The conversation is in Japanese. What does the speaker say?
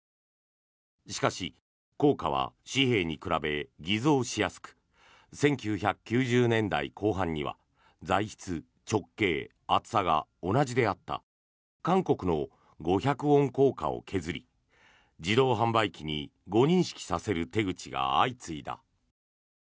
しかし、硬貨は紙幣に比べ偽造しやすく１９９０年代後半には材質、直径、厚さが同じであった韓国の五百ウォン硬貨を削り自動販売機に誤認識させる手口が相次いだ。